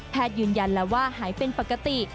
แพทย์ยืนยันละว่าหายเป็นปกติ